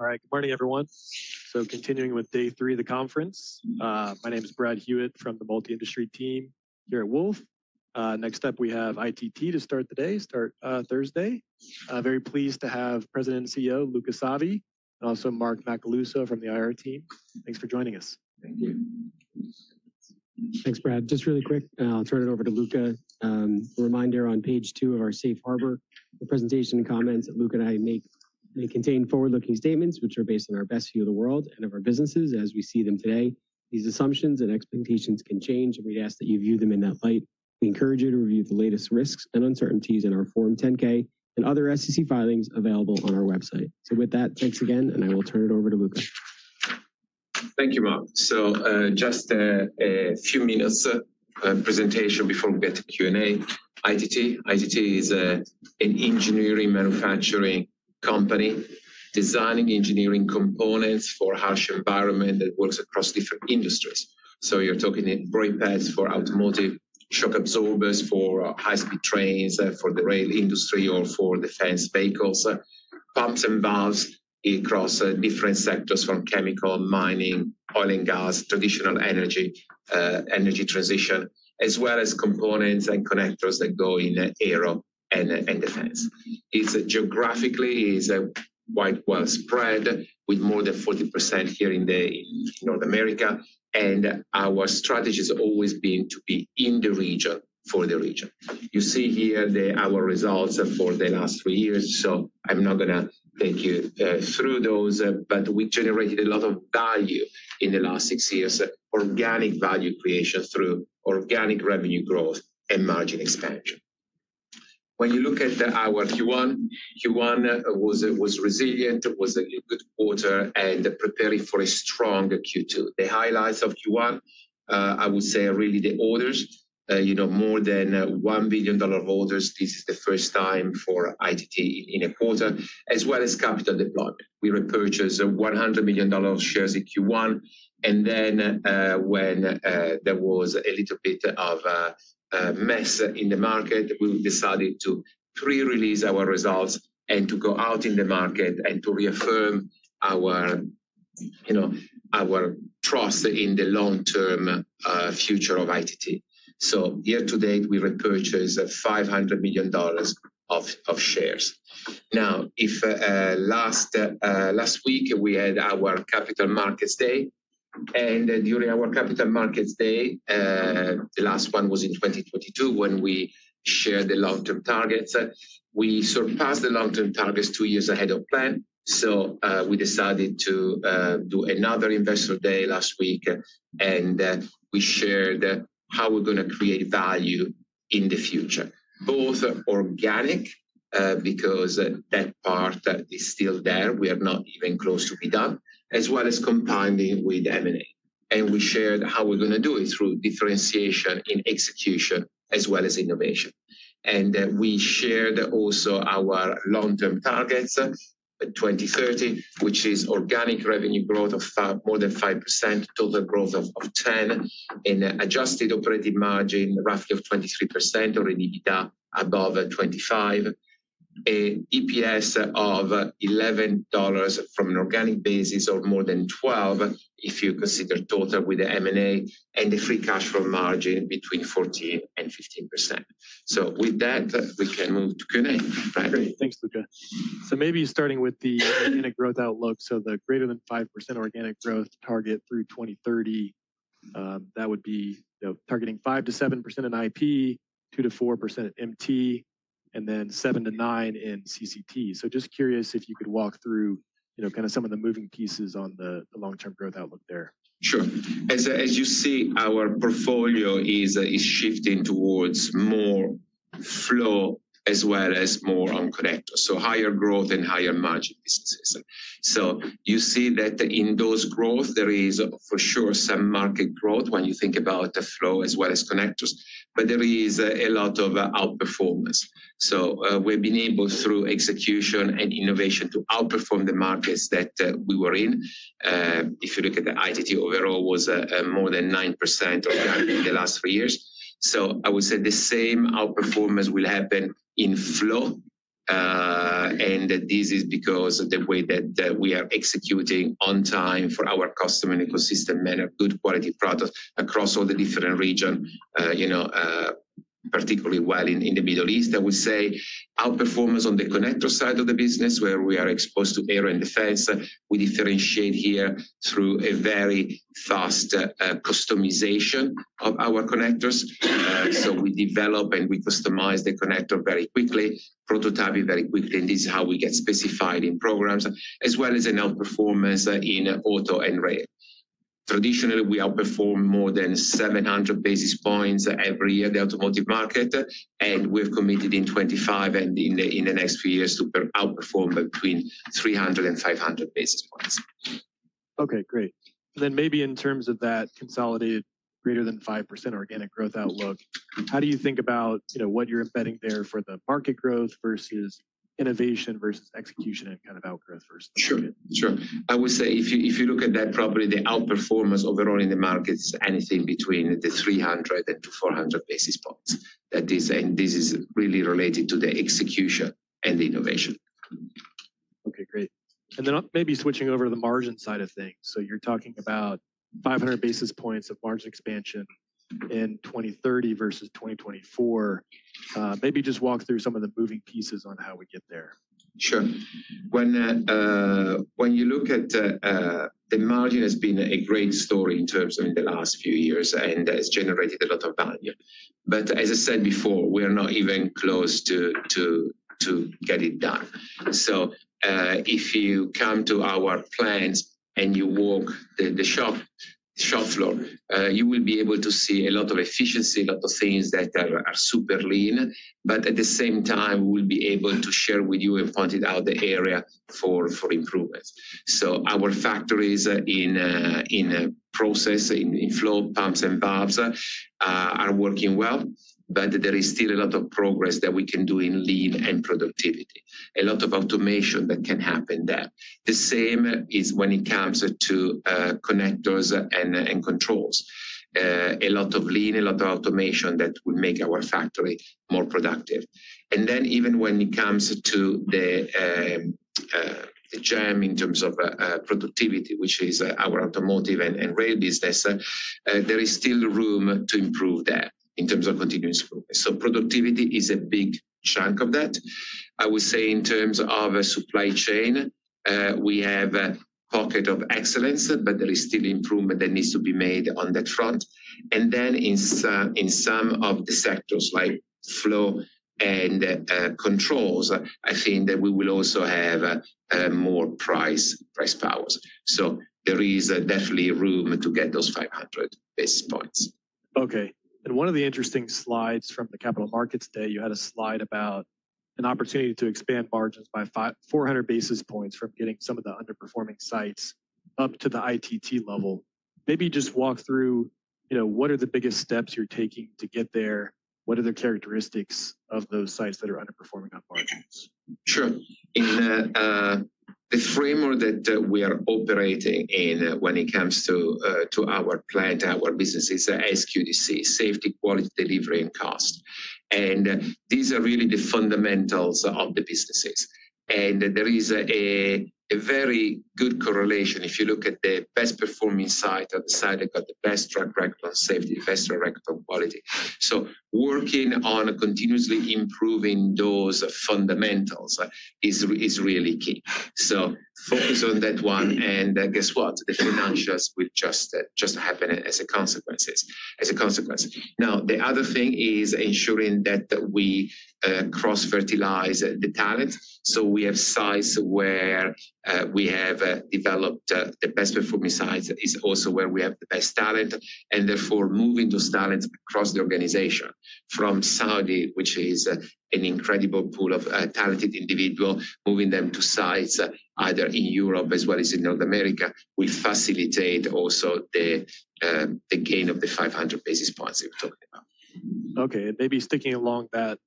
All right, good morning, everyone. Continuing with Day Three of the Conference, my name is Brad Hewitt from the multi-industry team here at Wolfe. Next up, we have ITT to start the day, start Thursday. Very pleased to have President and CEO Luca Savi, and also Mark Macaluso from the IR team. Thanks for joining us. Thank you. Thanks, Brad. Just really quick, I'll turn it over to Luca. A reminder on page two of our Safe Harbor, the presentation comments that Luca and I make, they contain forward-looking statements which are based on our best view of the world and of our businesses as we see them today. These assumptions and expectations can change, and we'd ask that you view them in that light. We encourage you to review the latest risks and uncertainties in our Form 10-K and other SEC filings available on our website. With that, thanks again, and I will turn it over to Luca. Thank you, Mark. Just a few minutes presentation before we get to Q&A. ITT is an engineering manufacturing company designing engineering components for harsh environments that works across different industries. You're talking brake pads for automotive, shock absorbers for high-speed trains for the rail industry or for defense vehicles, pumps and valves across different sectors from chemical, mining, oil and gas, traditional energy, energy transition, as well as components and connectors that go in aero and defense. Geographically, it is quite well spread with more than 40% here in North America, and our strategy has always been to be in the region for the region. You see here our results for the last 3 years, so I'm not going to take you through those, but we generated a lot of value in the last 6 years, organic value creation through organic revenue growth and margin expansion. When you look at our Q1, Q1 was resilient, was a good quarter, and preparing for a strong Q2. The highlights of Q1, I would say really the orders, you know, more than $1 billion of orders. This is the first time for ITT in a quarter, as well as capital deployment. We repurchased $100 million of shares in Q1, and then when there was a little bit of a mess in the market, we decided to pre-release our results and to go out in the market and to reaffirm our, you know, our trust in the long-term future of ITT. Year to date, we repurchased $500 million of shares. Last week, we had our Capital Markets Day, and during our Capital Markets Day, the last one was in 2022 when we shared the long-term targets. We surpassed the long-term targets two years ahead of plan, so we decided to do another Investor Day last week, and we shared how we're going to create value in the future, both organic, because that part is still there, we are not even close to be done, as well as compounding with M&A. We shared how we're going to do it through differentiation in execution as well as innovation. We shared also our long-term targets for 2030, which is organic revenue growth of more than 5%, total growth of 10%, and adjusted operating margin roughly of 23%, or EBITDA above 25%, EPS of $11 from an organic basis or more than 12% if you consider total with the M&A and the free cash flow margin between 14% and 15%. With that, we can move to Q&A, Brad. Great. Thanks, Luca. Maybe starting with the organic growth outlook, the greater than 5% organic growth target through 2030, that would be targeting 5%-7% in IP, 2%-4% in MT, and 7% and 9% in CCT. Just curious if you could walk through kind of some of the moving pieces on the long-term growth outlook there. Sure. As you see, our portfolio is shifting towards more flow as well as more on connectors, so higher growth and higher margin businesses. You see that in those growth, there is for sure some market growth when you think about the flow as well as connectors, but there is a lot of outperformance. We have been able through execution and innovation to outperform the markets that we were in. If you look at ITT overall, it was more than 9% organic in the last three years. I would say the same outperformance will happen in flow, and this is because of the way that we are executing on time for our customer and ecosystem and a good quality product across all the different regions, you know, particularly while in the Middle East. I would say outperformance on the connector side of the business where we are exposed to aero and defense, we differentiate here through a very fast customization of our connectors. We develop and we customize the connector very quickly, prototype it very quickly, and this is how we get specified in programs, as well as in outperformance in auto and rail. Traditionally, we outperform more than 700 basis points every year in the automotive market, and we are committed in 2025 and in the next few years to outperform between 300 and 500 basis points. Okay, great. Maybe in terms of that consolidated greater than 5% organic growth outlook, how do you think about what you're embedding there for the market growth versus innovation versus execution and kind of outgrowth versus market? Sure. Sure. I would say if you look at that property, the outperformance overall in the market is anything between the 300 and 400 basis points. That is, and this is really related to the execution and the innovation. Okay, great. Maybe switching over to the margin side of things. You're talking about 500 basis points of margin expansion in 2030 versus 2024. Maybe just walk through some of the moving pieces on how we get there. Sure. When you look at the margin, it has been a great story in terms of in the last few years, and it's generated a lot of value. As I said before, we are not even close to get it done. If you come to our plants and you walk the shop floor, you will be able to see a lot of efficiency, a lot of things that are super lean, but at the same time, we'll be able to share with you and point out the area for improvements. Our factories in process, in flow, pumps and valves are working well, but there is still a lot of progress that we can do in lean and productivity, a lot of automation that can happen there. The same is when it comes to connectors and controls, a lot of lean, a lot of automation that will make our factory more productive. Even when it comes to the gem in terms of productivity, which is our automotive and rail business, there is still room to improve there in terms of continuous improvement. Productivity is a big chunk of that. I would say in terms of supply chain, we have a pocket of excellence, but there is still improvement that needs to be made on that front. In some of the sectors like flow and controls, I think that we will also have more price powers. There is definitely room to get those 500 basis points. Okay. One of the interesting slides from the Capital Markets Day, you had a slide about an opportunity to expand margins by 400 basis points from getting some of the underperforming sites up to the ITT level. Maybe just walk through, you know, what are the biggest steps you're taking to get there? What are the characteristics of those sites that are underperforming on margins? Sure. In the framework that we are operating in when it comes to our plant, our business is SQDC, Safety, Quality, Delivery, and Cost. These are really the fundamentals of the businesses. There is a very good correlation if you look at the best performing site on the side that got the best track record on safety, the best track record on quality. Working on continuously improving those fundamentals is really key. Focus on that one. Guess what? The financials will just happen as a consequence. The other thing is ensuring that we cross-fertilize the talent. We have sites where we have developed the best performing sites is also where we have the best talent, and therefore moving those talents across the organization from Saudi, which is an incredible pool of talented individuals, moving them to sites either in Europe as well as in North America will facilitate also the gain of the 500 basis points we are talking about. Okay. And maybe sticking along that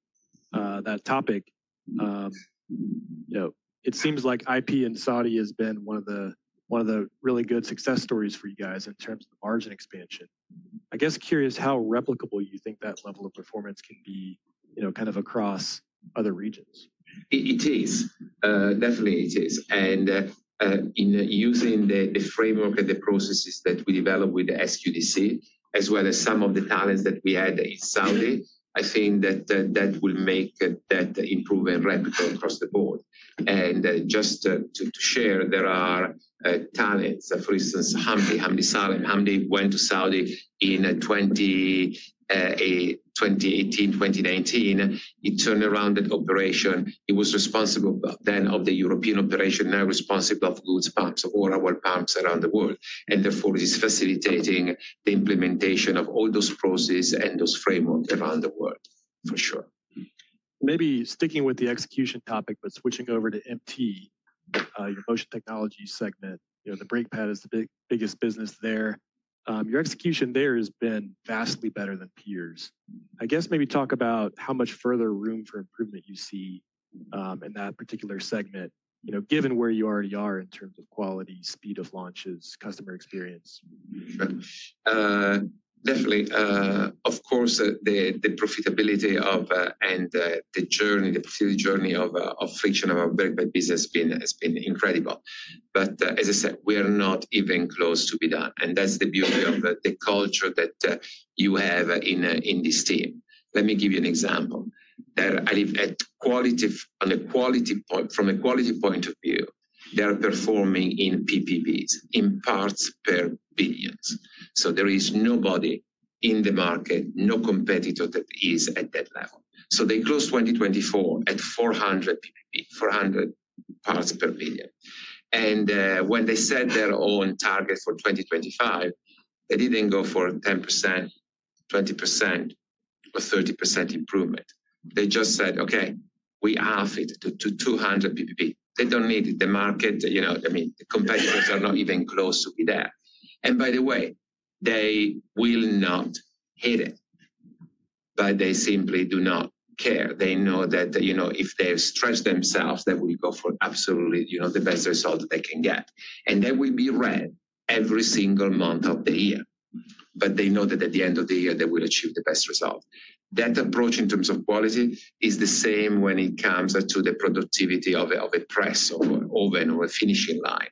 topic, you know, it seems like IP in Saudi has been one of the really good success stories for you guys in terms of margin expansion. I guess curious how replicable you think that level of performance can be, you know, kind of across other regions? It is. Definitely, it is. In using the framework and the processes that we developed with SQDC, as well as some of the talents that we had in Saudi, I think that will make that improvement replicable across the board. Just to share, there are talents, for instance, Hamdi, Hamdi Salim. Hamdi went to Saudi in 2018, 2019. He turned around that operation. He was responsible then for the European operation, now responsible for goods pumps or oil pumps around the world. Therefore, he is facilitating the implementation of all those processes and those frameworks around the world, for sure. Maybe sticking with the execution topic, but switching over to MT, your motion technology segment, you know, the brake pad is the biggest business there. Your execution there has been vastly better than peers. I guess maybe talk about how much further room for improvement you see in that particular segment, you know, given where you already are in terms of quality, speed of launches, customer experience? Sure. Definitely. Of course, the profitability of and the journey, the profitability journey of friction of our very business has been incredible. But as I said, we are not even close to be done. That's the beauty of the culture that you have in this team. Let me give you an example. I live at quality on a quality point, from a quality point of view, they are performing in PPBs, in parts per billion. There is nobody in the market, no competitor that is at that level. They closed 2024 at 400, 400 parts per billion. When they set their own target for 2025, they did not go for 10%, 20%, or 30% improvement. They just said, okay, we half it to 200 PPB. They do not need the market, you know, I mean, the competitors are not even close to be there. By the way, they will not hit it, but they simply do not care. They know that, you know, if they stretch themselves, they will go for absolutely, you know, the best result that they can get. They will be red every single month of the year. They know that at the end of the year, they will achieve the best result. That approach in terms of quality is the same when it comes to the productivity of a press, oven, or a finishing line.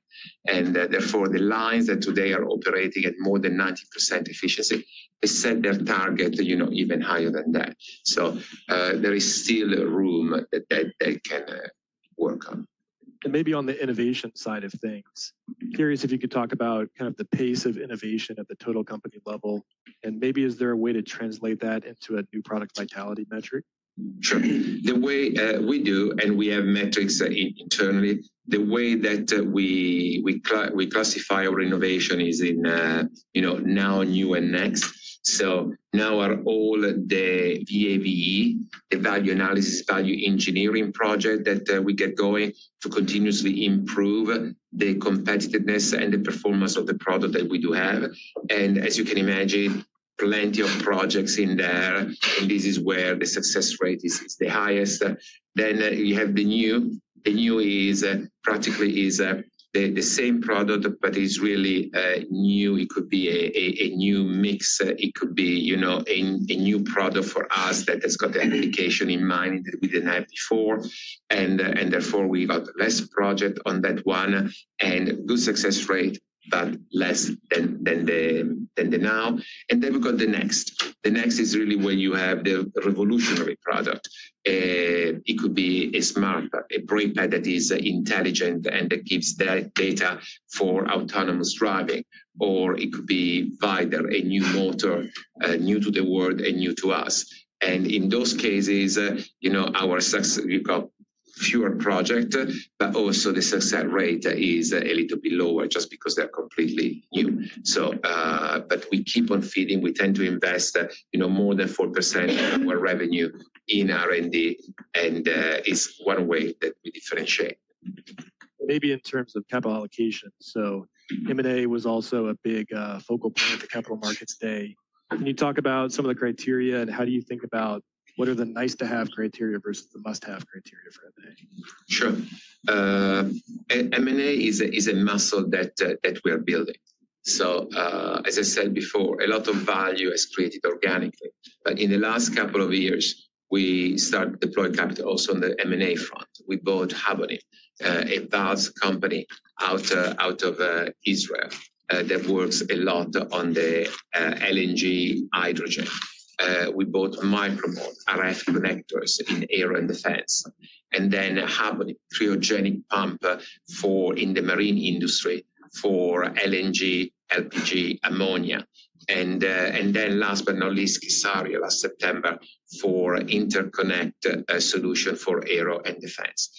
Therefore, the lines that today are operating at more than 90% efficiency set their target, you know, even higher than that. There is still room that they can work on. Maybe on the innovation side of things, curious if you could talk about kind of the pace of innovation at the total company level. Maybe is there a way to translate that into a new product vitality metric? Sure. The way we do, and we have metrics internally, the way that we classify our innovation is in, you know, now, new, and next. Now are all the VAVE, the value analysis, value engineering project that we get going to continuously improve the competitiveness and the performance of the product that we do have. And as you can imagine, plenty of projects in there, and this is where the success rate is the highest. Then you have the new. The new is practically the same product, but it's really new. It could be a new mix. It could be, you know, a new product for us that has got the application in mind that we did not have before. Therefore, we got less project on that one and good success rate, but less than the now. Then we got the next. The next is really where you have the revolutionary product. It could be a smart brake pad that is intelligent and that gives data for autonomous driving. Or it could be VIDAR, a new motor new to the world and new to us. In those cases, you know, our success, we got fewer projects, but also the success rate is a little bit lower just because they're completely new. We keep on feeding. We tend to invest, you know, more than 4% of our revenue in R&D, and it's one way that we differentiate. Maybe in terms of capital allocation. M&A was also a big focal point at the Capital Markets Day. Can you talk about some of the criteria and how do you think about what are the nice-to-have criteria versus the must-have criteria for M&A? Sure. M&A is a muscle that we are building. As I said before, a lot of value has been created organically. In the last couple of years, we started to deploy capital also on the M&A front. We bought Habonim, a valves company out of Israel that works a lot on LNG hydrogen. We bought Micro-Mode, RF connectors in aero and defense. Then Habonim, cryogenic pump for the marine industry for LNG, LPG, ammonia. Last but not least, kSARIA last September for interconnect solutions for aero and defense.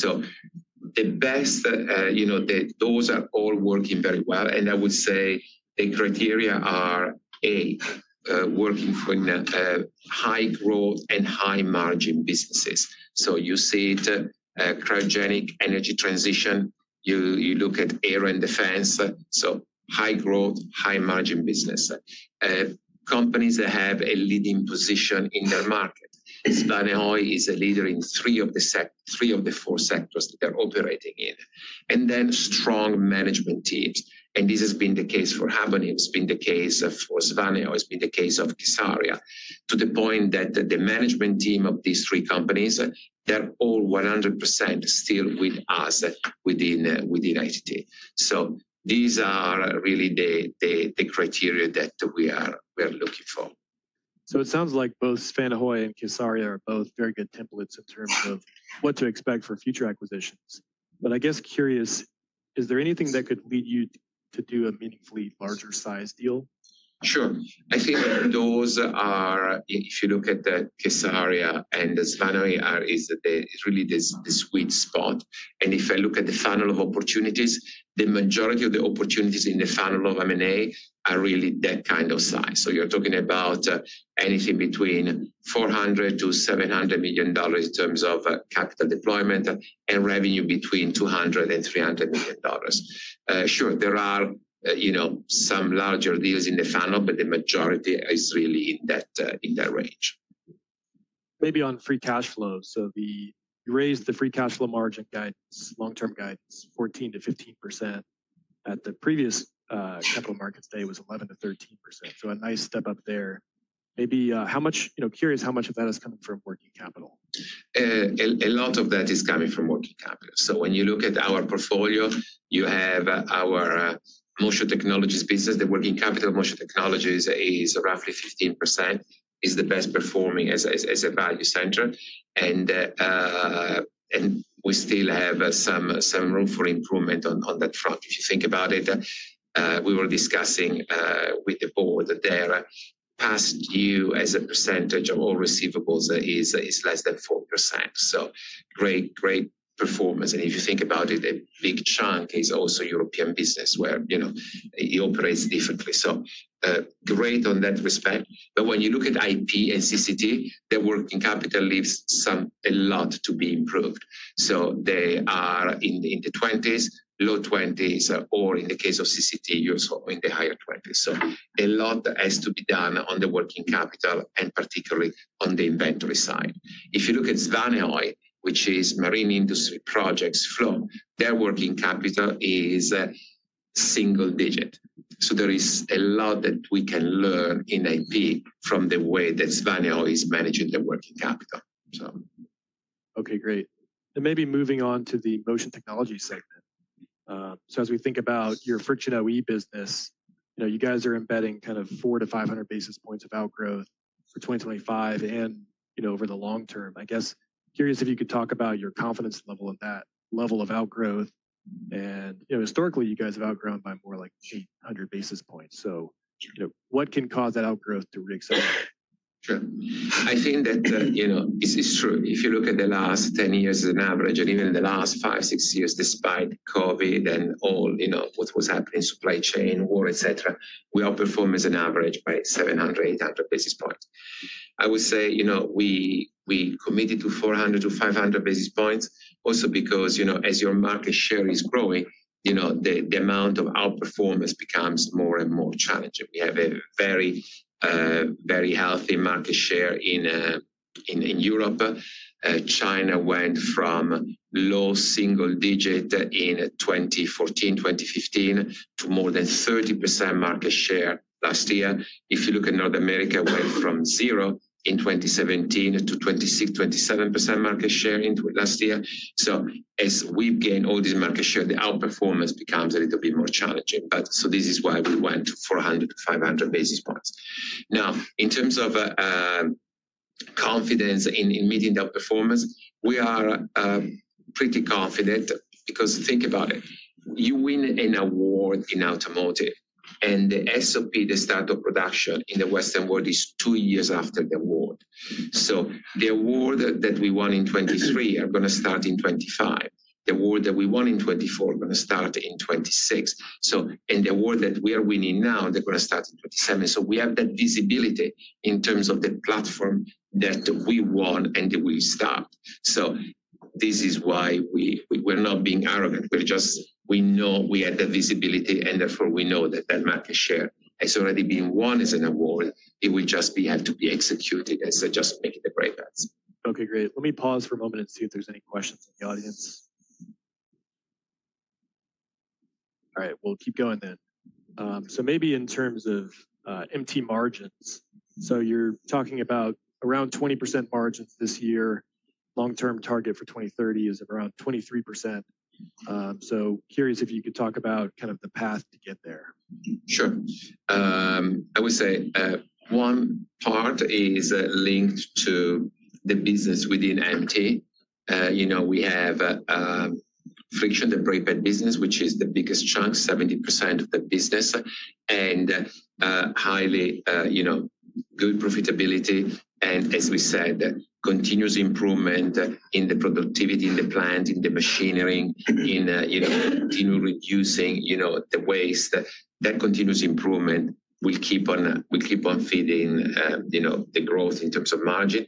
Those are all working very well. I would say the criteria are, A, working for high growth and high margin businesses. You see it, cryogenic energy transition, you look at aero and defense, high growth, high margin business. Companies that have a leading position in their market. Svanehøj is a leader in three of the four sectors that they're operating in. Strong management teams. This has been the case for Habonim, it's been the case for Svanehøj, it's been the case for kSARIA, to the point that the management team of these three companies, they're all 100% still with us within ITT. These are really the criteria that we are looking for. It sounds like both Svanehøj and kSARIA are both very good templates in terms of what to expect for future acquisitions. I guess, curious, is there anything that could lead you to do a meaningfully larger size deal? Sure. I think those are, if you look at kSARIA and Svanehøj, is really the sweet spot. And if I look at the funnel of opportunities, the majority of the opportunities in the funnel of M&A are really that kind of size. So you're talking about anything between $400 million-$700 million in terms of capital deployment and revenue between $200 million and $300 million. Sure, there are, you know, some larger deals in the funnel, but the majority is really in that range. Maybe on free cash flow. You raised the free cash flow margin guidance, long-term guidance, 14%-15%. At the previous Capital Markets Day, it was 11%-13%. A nice step up there. Maybe how much, you know, curious how much of that is coming from working capital? A lot of that is coming from working capital. When you look at our portfolio, you have our Motion Technologies business. The working capital of Motion Technologies is roughly 15%, is the best performing as a value center. We still have some room for improvement on that front. If you think about it, we were discussing with the board that their past year as a percentage of all receivables is less than 4%. Great performance. If you think about it, a big chunk is also European business where, you know, it operates differently. Great on that respect. When you look at IP and CCT, their working capital leaves a lot to be improved. They are in the 20s, low 20s, or in the case of CCT, you're in the higher 20s. A lot has to be done on the working capital and particularly on the inventory side. If you look at Svanehøj, which is marine industry projects, flow, their working capital is single digit. There is a lot that we can learn in IP from the way that Svanehøj is managing their working capital. Okay, great. Maybe moving on to the Motion Technology segment. As we think about your friction OE business, you know, you guys are embedding kind of 400-500 basis points of outgrowth for 2025 and, you know, over the long term. I guess curious if you could talk about your confidence level of that level of outgrowth. You know, historically, you guys have outgrown by more like 800 basis points. You know, what can cause that outgrowth to re-accelerate? Sure. I think that, you know, it's true. If you look at the last 10 years as an average and even in the last 5, 6 years, despite COVID and all, you know, what was happening, supply chain, war, et cetera, we outperform as an average by 700-800 basis points. I would say, you know, we committed to 400-500 basis points also because, you know, as your market share is growing, you know, the amount of outperformance becomes more and more challenging. We have a very, very healthy market share in Europe. China went from low single digit in 2014, 2015 to more than 30% market share last year. If you look at North America, went from zero in 2017 to 26%-27% market share last year. As we've gained all this market share, the outperformance becomes a little bit more challenging. This is why we went to 400-500 basis points. Now, in terms of confidence in meeting that performance, we are pretty confident because, think about it, you win an award in automotive and the SOP, the start of production in the Western world, is two years after the award. So the award that we won in 2023 are going to start in 2025. The award that we won in 2024 are going to start in 2026. The award that we are winning now, they are going to start in 2027. We have that visibility in terms of the platform that we won and that we have stopped. We are not being arrogant. We just know we have that visibility and therefore we know that market share has already been won as an award. It will just have to be executed as just making the brake pads. Okay, great. Let me pause for a moment and see if there's any questions in the audience. All right, we'll keep going then. Maybe in terms of MT margins, you're talking about around 20% margins this year. Long-term target for 2030 is around 23%. Curious if you could talk about kind of the path to get there. Sure. I would say one part is linked to the business within MT. You know, we have friction and brake pad business, which is the biggest chunk, 70% of the business and highly, you know, good profitability. As we said, continuous improvement in the productivity in the plant, in the machinery, in, you know, continually reducing, you know, the waste. That continuous improvement will keep on feeding, you know, the growth in terms of margin.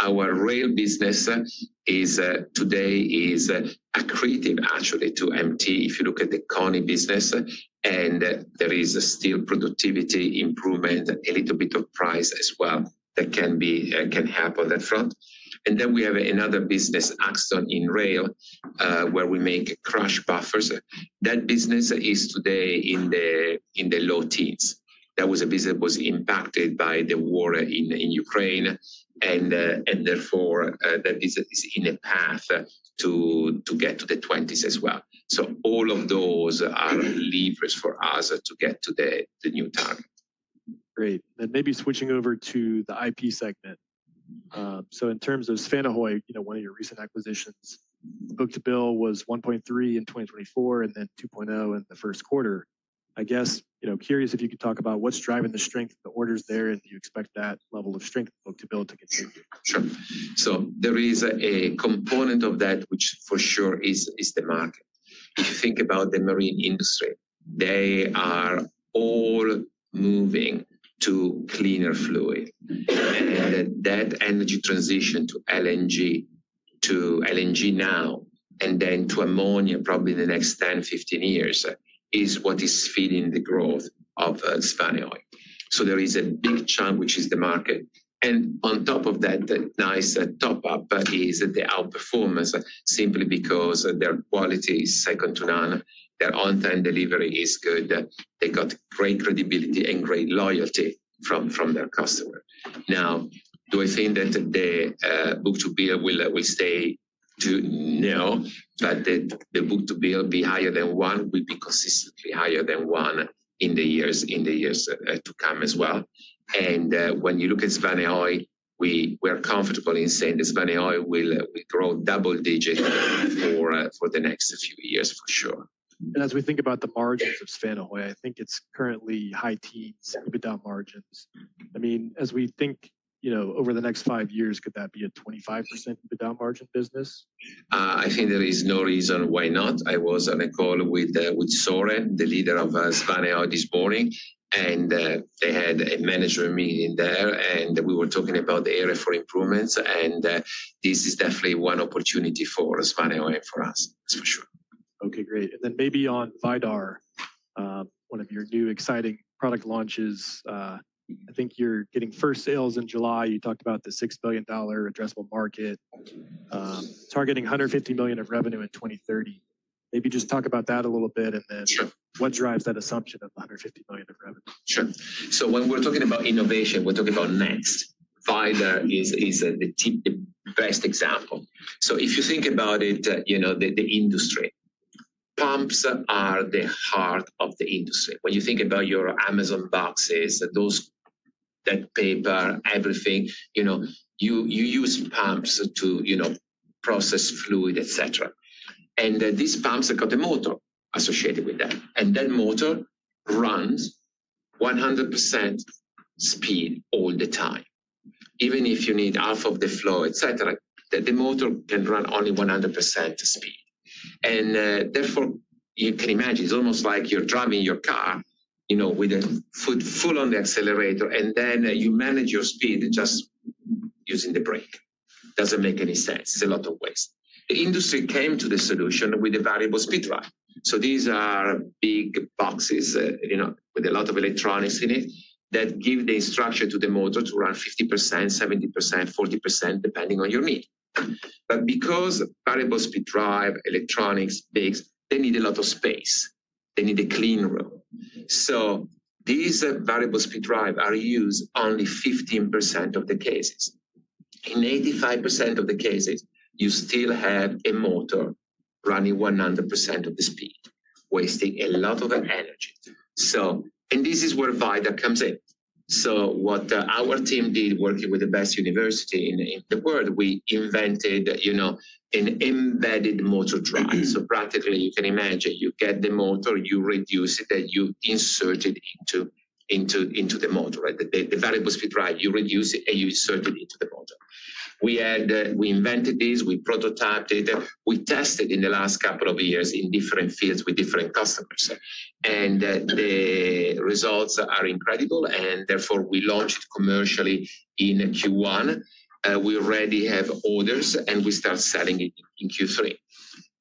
Our rail business today is accretive actually to MT. If you look at the KONI business, and there is still productivity improvement, a little bit of price as well that can help on that front. We have another business, Axtone in rail, where we make crush buffers. That business is today in the low teens. That was a business that was impacted by the war in Ukraine. Therefore, that business is in a path to get to the 20s as well. All of those are levers for us to get to the new target. Great. Maybe switching over to the IP segment. In terms of Svanehøj, you know, one of your recent acquisitions, book-to-bill was 1.3 in 2024 and then 2.0 in the first quarter. I guess, you know, curious if you could talk about what's driving the strength of the orders there and do you expect that level of strength book-to-bill to continue? Sure. There is a component of that, which for sure is the market. If you think about the marine industry, they are all moving to cleaner fluid. That energy transition to LNG, to LNG now, and then to ammonia probably in the next 10, 15 years is what is feeding the growth of Svanehøj. There is a big chunk, which is the market. On top of that, a nice top-up is the outperformance simply because their quality is second to none. Their on-time delivery is good. They have great credibility and great loyalty from their customer. Now, do I think that the book-to-bill will stay to now, but that the book-to-bill be higher than one will be consistently higher than one in the years to come as well. When you look at Svanehøj, we are comfortable in saying that Svanehøj will grow double digit for the next few years for sure. As we think about the margins of Svanehøj, I think it's currently high teens, EBITDA margins. I mean, as we think, you know, over the next five years, could that be a 25% EBITDA margin business? I think there is no reason why not. I was on a call with Søren, the leader of Svanehøj this morning, and they had a management meeting there, and we were talking about the area for improvements. This is definitely one opportunity for Svanehøj and for us, that's for sure. Okay, great. Maybe on VIDAR, one of your new exciting product launches. I think you're getting first sales in July. You talked about the $6 billion addressable market, targeting $150 million of revenue in 2030. Maybe just talk about that a little bit and then what drives that assumption of $150 million of revenue? Sure. When we're talking about innovation, we're talking about next. VIDAR is the best example. If you think about it, you know, the industry, pumps are the heart of the industry. When you think about your Amazon boxes, that paper, everything, you know, you use pumps to, you know, process fluid, et cetera. These pumps have got a motor associated with that. That motor runs 100% speed all the time. Even if you need half of the flow, et cetera, the motor can run only 100% speed. Therefore, you can imagine it's almost like you're driving your car, you know, with a foot full on the accelerator, and then you manage your speed just using the brake. Doesn't make any sense. It's a lot of waste. The industry came to the solution with the variable speed drive. These are big boxes, you know, with a lot of electronics in it that give the instruction to the motor to run 50%, 70%, 40%, depending on your need. Because variable speed drive electronics, bikes, they need a lot of space. They need a clean room. These variable speed drives are used only 15% of the cases. In 85% of the cases, you still have a motor running 100% of the speed, wasting a lot of energy. This is where VIDAR comes in. What our team did, working with the best university in the world, we invented, you know, an embedded motor drive. Practically, you can imagine you get the motor, you reduce it, and you insert it into the motor. The variable speed drive, you reduce it and you insert it into the motor. We invented this, we prototyped it, we tested in the last couple of years in different fields with different customers. The results are incredible. Therefore, we launched commercially in Q1. We already have orders and we start selling in Q3.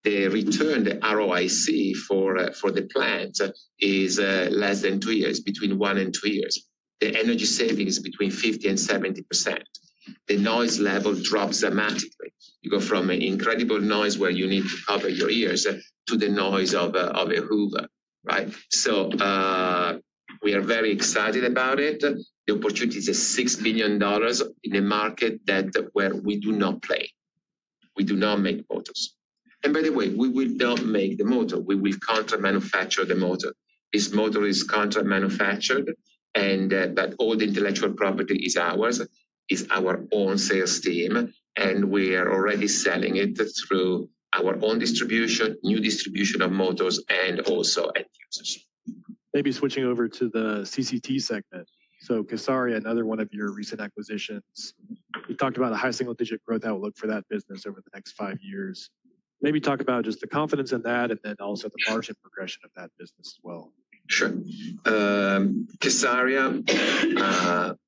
The return to ROIC for the plant is less than two years, between one and two years. The energy savings is between 50-70%. The noise level drops dramatically. You go from incredible noise where you need to cover your ears to the noise of a Hoover, right? We are very excited about it. The opportunity is $6 billion in a market that where we do not play. We do not make motors. By the way, we will not make the motor. We will contra-manufacture the motor. This motor is contra-manufactured, but all the intellectual property is ours, is our own sales team, and we are already selling it through our own distribution, new distribution of motors, and also end users. Maybe switching over to the CCT segment. So kSARIA, another one of your recent acquisitions. You talked about a high single digit growth outlook for that business over the next five years. Maybe talk about just the confidence in that and then also the margin progression of that business as well. Sure. kSARIA,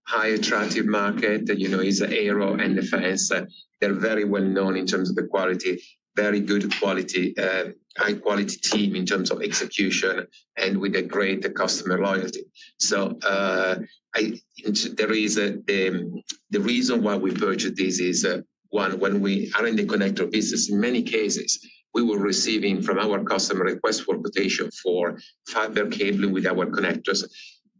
high attractive market, you know, is aero and defense. They're very well known in terms of the quality, very good quality, high quality team in terms of execution and with a great customer loyalty. There is the reason why we purchased this is one, when we are in the connector business, in many cases, we were receiving from our customer request for quotation for fiber cabling with our connectors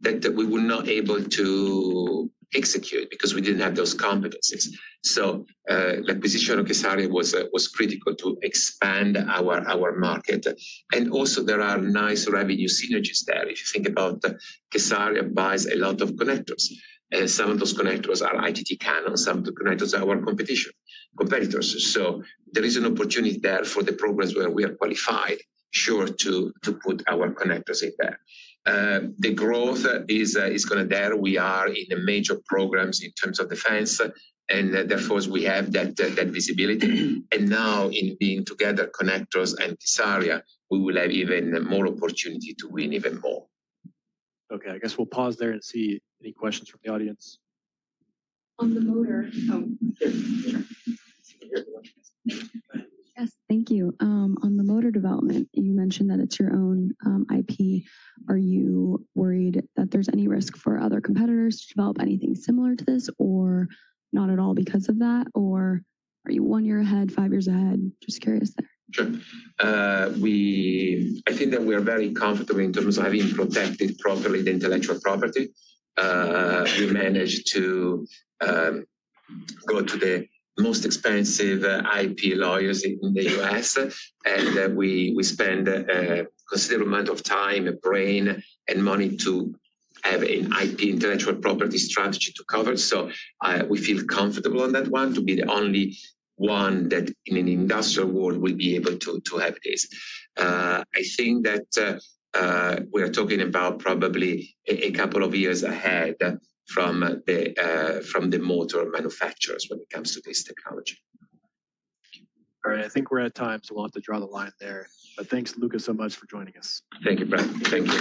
that we were not able to execute because we didn't have those competencies. The acquisition of kSARIA was critical to expand our market. Also there are nice revenue synergies there. If you think about kSARIA buys a lot of connectors. Some of those connectors are ITT Cannon, some of the connectors are our competition, competitors. There is an opportunity there for the programs where we are qualified, sure, to put our connectors in there. The growth is going to be there. We are in the major programs in terms of defense, and therefore we have that visibility. Now in being together, connectors and kSARIA, we will have even more opportunity to win even more. Okay, I guess we'll pause there and see any questions from the audience. On the motor. Yes, thank you. On the motor development, you mentioned that it's your own IP. Are you worried that there's any risk for other competitors to develop anything similar to this or not at all because of that? Or are you one year ahead, five years ahead? Just curious there. Sure. I think that we are very comfortable in terms of having protected properly the intellectual property. We managed to go to the most expensive IP lawyers in the U.S., and we spend a considerable amount of time, brain, and money to have an IP intellectual property strategy to cover. We feel comfortable on that one to be the only one that in an industrial world will be able to have this. I think that we are talking about probably a couple of years ahead from the motor manufacturers when it comes to this technology. All right, I think we're at time. We'll have to draw the line there. Thanks, Luca, so much for joining us. Thank you, Brad. Thank you.